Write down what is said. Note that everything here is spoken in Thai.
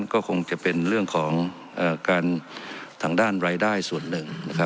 ก็คงจะเป็นเรื่องของการทางด้านรายได้ส่วนหนึ่ง